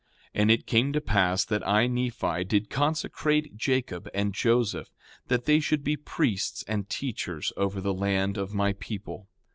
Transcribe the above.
5:26 And it came to pass that I, Nephi, did consecrate Jacob and Joseph, that they should be priests and teachers over the land of my people.